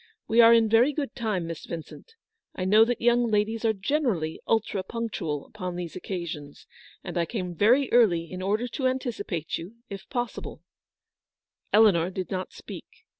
We are in very good time, Miss Vincent. I know that young ladies are generally ultra punctual upon these occasions ; and I came very early in order to anticipate you, if possible/' Eleanor did not speak.